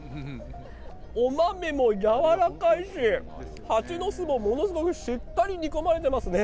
お豆も柔らかいし、ハチノスもものすごくしっかり煮込まれてますね。